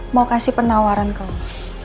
mau kasih penawaran ke lu